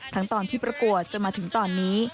ตอนที่ประกวดจนมาถึงตอนนี้